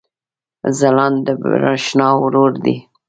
ځلاند د برېښنا ورور دی